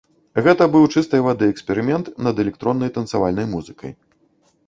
Гэта быў чыстай вады эксперымент над электроннай танцавальнай музыкай.